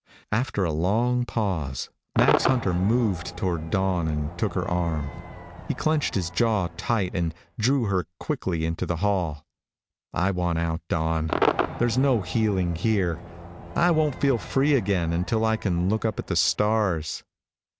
After a long pause, Max Hunter moved toward Dawn and took her arm. He clenched his jaw tight and drew her quickly into the hall. "I want out, Dawn. There's no healing here. I won't feel free again until I can look up at the stars."